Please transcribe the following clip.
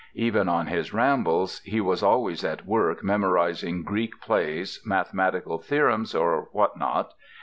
Even on his rambles he was always at work memorizing Greek plays, mathematical theorems, or what not.